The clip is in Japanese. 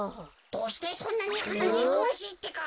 どうしてそんなにはなにくわしいってか？